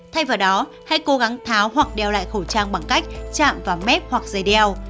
thay vào đó hãy cố gắng tháo hoặc đeo lại khẩu trang bằng cách chạm vào mép hoặc dây đeo